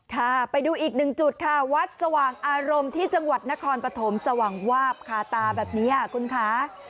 ค่ะไปดูอีกหนึ่งจุดค่ะวัดสว่างอารมณ์ที่จังหวัดนครปฐมสว่างวาบคาตาแบบนี้คุณคะ